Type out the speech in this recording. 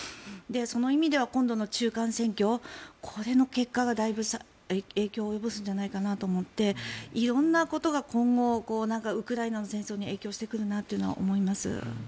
その意味では今度の中間選挙この結果がだいぶ影響を及ぼすんじゃないかと思って色んなことが今後ウクライナの戦争に影響してくるなというのは思います。